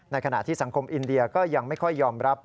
ขณะที่สังคมอินเดียก็ยังไม่ค่อยยอมรับ